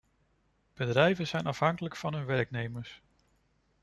Bedrijven zijn afhankelijk van hun werknemers.